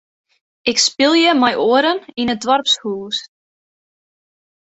Ik spylje mei oaren yn it doarpshûs.